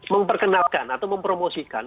memperkenalkan atau mempromosikan